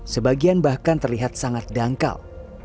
sebagian bahkan terlihat sangat dangkal